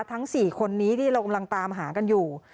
ทั้ง๔คนนี้ที่เรากำลังตามหากันอยู่